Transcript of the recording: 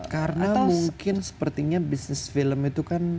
karena mungkin sepertinya bisnis film itu kan